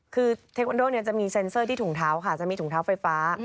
คือเทควันโดเนี่ยจะมีเซ็นเซอร์ที่ถุงเท้าค่ะจะมีถุงเท้าไฟฟ้า